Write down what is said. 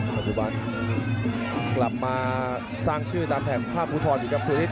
ปัจจุบันกลับมาสร้างชื่อตามแถบภาพภูทรอยู่กับสุริน